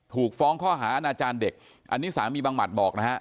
ถูกฟ้องข้อหาอาณาจารย์เด็กอันนี้สามีบังหมัดบอกนะฮะ